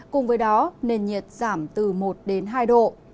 cùng với đó nền nhiệt giảm từ một đến hai độ